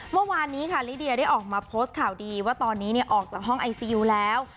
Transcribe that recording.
เมื่อวานนี้ค่ะลิเดียได้ออกมาโพสต์ข่าวดีว่าตอนนี้ออกจากห้องไอซียูแล้ว